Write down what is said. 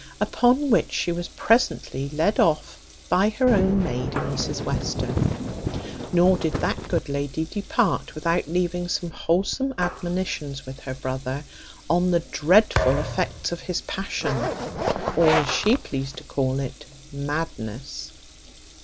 Upon which she was presently led off by her own maid and Mrs Western: nor did that good lady depart without leaving some wholesome admonitions with her brother, on the dreadful effects of his passion, or, as she pleased to call it, madness.